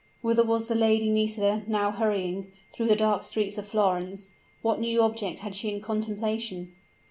Whither was the Lady Nisida now hurrying, through the dark streets of Florence? what new object had she in contemplation?